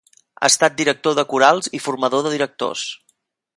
Ha estat director de corals i formador de directors.